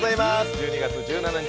１２月１７日